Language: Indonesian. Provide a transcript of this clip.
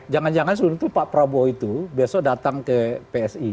jangan jangan sebetulnya pak prabowo itu besok datang ke psi